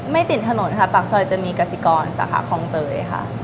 ไม่ติดถนนครับปรักษัยจะมีกสิกรสาขาคองเตยค่ะ